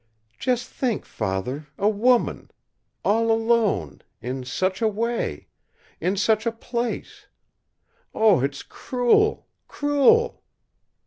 "Just think, Father, a woman! All alone! In such a way! In such a place! Oh! it's cruel, cruel!"